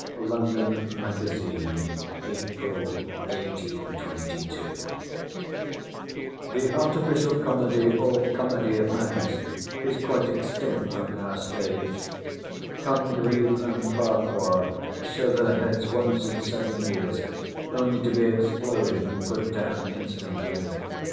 ] ON THE ARTIFICIAL COMEDY OF THE LAST CENTURY The artificial Comedy, or Comedy of manners, is quite extinct on our stage. Congreve and Farquhar show their heads once in seven years only, to be exploded and put down instantly.